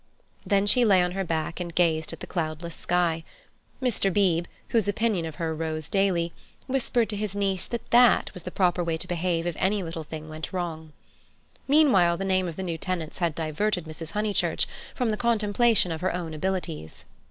Then she lay on her back and gazed at the cloudless sky. Mr. Beebe, whose opinion of her rose daily, whispered to his niece that that was the proper way to behave if any little thing went wrong. Meanwhile the name of the new tenants had diverted Mrs. Honeychurch from the contemplation of her own abilities.